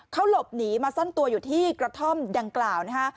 เขาหลบหนีมาซ่อนตัวอยู่ที่กระท่อมดังกล่าวนะฮะ